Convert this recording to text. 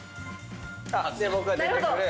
で僕が出てくる。